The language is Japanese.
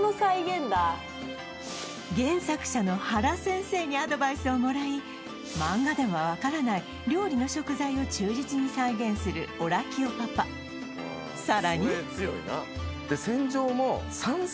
原作者の原先生にアドバイスをもらいマンガでは分からない料理の食材を忠実に再現するオラキオパパさらにと思っております